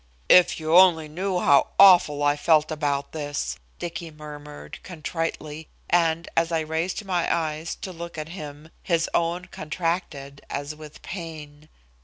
"If you only knew how awful I felt about this," Dicky murmured, contritely, and, as I raised my eyes to look at him, his own contracted as with pain.